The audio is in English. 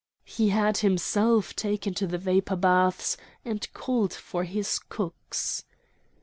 He had himself taken to the vapour baths, and called for his cooks.